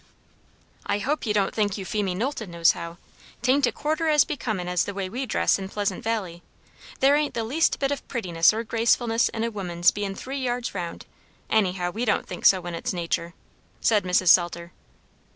"I hope you don't think Euphemie Knowlton knows how? 'Tain't a quarter as becomin' as the way we dress in Pleasant Valley. There ain't the least bit of prettiness or gracefulness in a woman's bein' three yards round; anyhow we don't think so when it's nature." So Mrs. Salter.